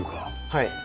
はい。